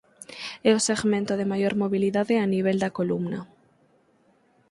É o segmento de maior mobilidade a nivel da columna.